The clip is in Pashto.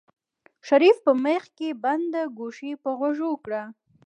شريف په مېخ کې بنده ګوشي په غوږو کړه.